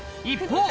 一方。